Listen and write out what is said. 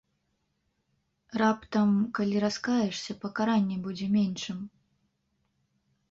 Раптам, калі раскаешся, пакаранне будзе меншым?